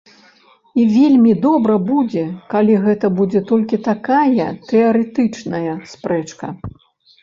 І вельмі добра будзе, калі гэта будзе толькі такая тэарэтычная спрэчка.